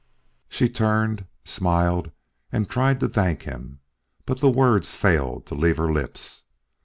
She turned, smiled and tried to thank him, but the words failed to leave her lips.